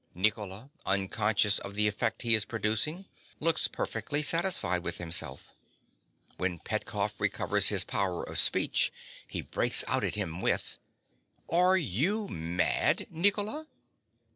Nicola, unconscious of the effect he is producing, looks perfectly satisfied with himself. When Petkoff recovers his power of speech, he breaks out at him with_) Are you mad, Nicola?